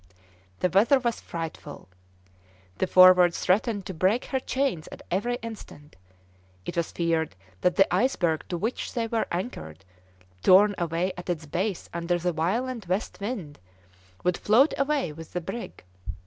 The weather was frightful. The Forward threatened to break her chains at every instant; it was feared that the iceberg to which they were anchored, torn away at its base under the violent west wind, would float away with the brig.